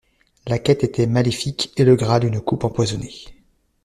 La quête était maléfique et le Graal une coupe empoisonnée.